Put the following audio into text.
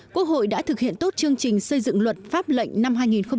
quốc hội đã thực hiện tốt chương trình xây dựng luật pháp lệnh năm hai nghìn một mươi sáu